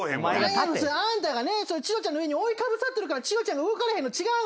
何やの？あんたがチロちゃんの上に覆いかぶさってるからチロちゃんが動かれへんの違うの？